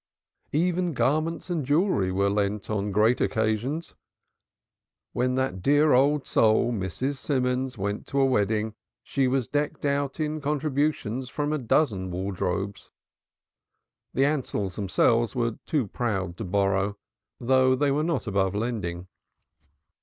Even garments and jewelry were lent on great occasions, and when that dear old soul Mrs. Simons went to a wedding she was decked out in contributions from a dozen wardrobes. The Ansells themselves were too proud to borrow though they were not above lending.